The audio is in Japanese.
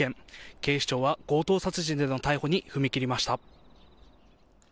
警視庁は強盗殺人での逮捕に踏み切りました。